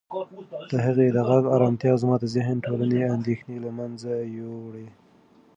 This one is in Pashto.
د هغې د غږ ارامتیا زما د ذهن ټولې اندېښنې له منځه یووړې.